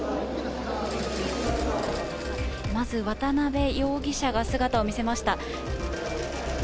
まず、渡辺容疑者が姿を見せました。